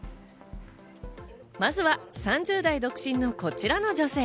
まずは３０代独身のこちらの女性。